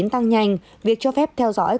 tăng nhanh việc cho phép theo dõi